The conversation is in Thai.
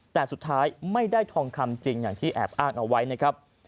แต่สุดท้ายไม่ได้ทองคำจริงอย่างที่แอบอ้างเอาไว้นะครับ